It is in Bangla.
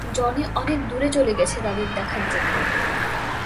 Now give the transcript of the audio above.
জনি অনেক দূরে চলে গেছে তাদের দেখার জন্য।